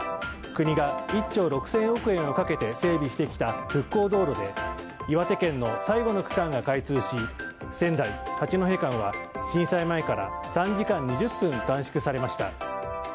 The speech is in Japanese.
国が１兆６０００億円をかけて整備してきた復興道路で岩手県の最後の区間が開通し仙台八戸間は震災前から３時間２０分短縮されました。